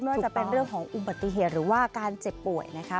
ว่าจะเป็นเรื่องของอุบัติเหตุหรือว่าการเจ็บป่วยนะคะ